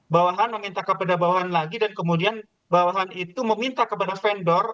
bawahan meminta kepada bawahan lagi dan kemudian bawahan itu meminta kepada vendor